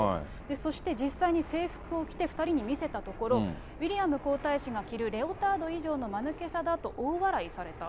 そして実際に制服を着て２人に見せたところ、ウィリアム皇太子が着るレオタード以上のまぬけさだと大笑いされた。